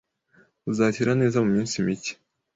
Uzakira neza muminsi mike.